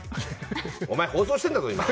お前、放送してるんだぞ今！